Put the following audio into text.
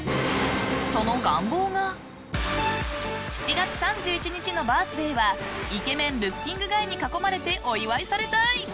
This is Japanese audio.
その願望が７月３１日のバースデーはイケメンルッキングガイに囲まれてお祝いされたい。